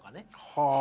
はあ。